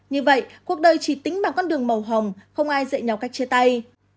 như vậy cuộc đời chỉ tính bằng con đường màu hồng không ai dạy nhau cách chia tay